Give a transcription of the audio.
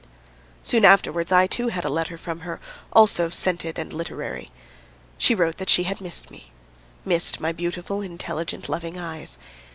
Soon afterwards I, too, had a letter from her, also scented and literary. She wrote that she had missed me, missed my beautiful, intelligent, loving eyes.